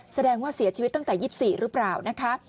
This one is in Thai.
แสดงว่าเสียชีวิตตั้งแต่๒๔หรือเปล่านะคะ